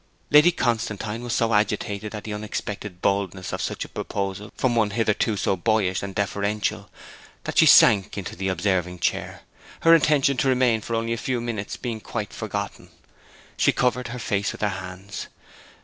Lady Constantine was so agitated at the unexpected boldness of such a proposal from one hitherto so boyish and deferential that she sank into the observing chair, her intention to remain for only a few minutes being quite forgotten. She covered her face with her hands.